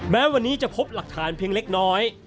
แม้วันนี้จะพบหลักฐานเพียงเล็กน้อย